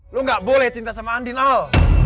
lo gak boleh cinta sama andin al